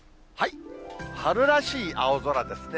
春らしい青空ですね。